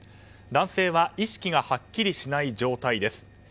男性は意識がはっきりしない状態です。